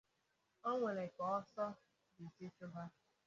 o nwere ka ọsọ ga-esi chụba